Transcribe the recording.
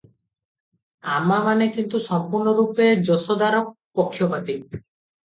ଆମାମାନେ କିନ୍ତୁ ସମ୍ପୂର୍ଣ୍ଣରୂପେ ଯଶୋଦାର ପକ୍ଷପାତୀ ।